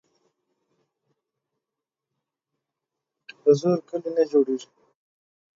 په زور کلي نه جوړیږي.